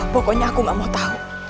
pokoknya aku gak mau tahu